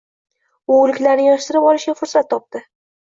U o’liklarini yig’ishtirib olishga fursat topdi.